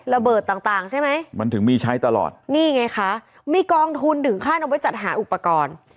ระเบิดต่างต่างใช่ไหมมันถึงมีใช้ตลอดนี่ไงคะมีกองทุนถึงขั้นเอาไว้จัดหาอุปกรณ์